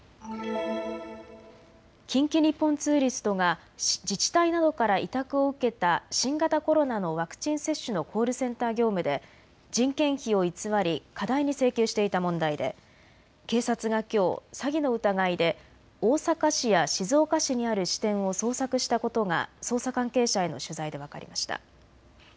近畿日本ツーリストが自治体などから委託を受けた新型コロナのワクチン接種のコールセンター業務で人件費を偽り過大に請求していた問題で警察がきょう詐欺の疑いで大阪市や静岡市にある支店を捜索したことが捜査関係者への取材で分かりました。